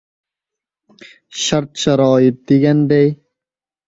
Shart-sharoit deganday...